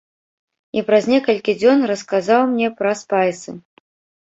І праз некалькі дзён расказаў мне пра спайсы.